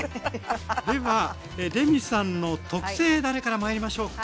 ではレミさんの特製だれからまいりましょうか。